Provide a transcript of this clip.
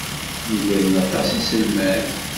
Negren aṭas n yiselman.